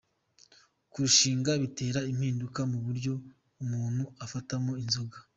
Kurushinga bitera impinduka mu buryo umuntu afatamo inzoga